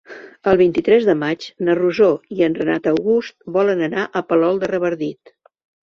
El vint-i-tres de maig na Rosó i en Renat August volen anar a Palol de Revardit.